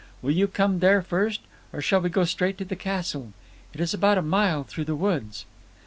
"Will you come there first, or shall we go straight to the castle. It is about a mile through the woods."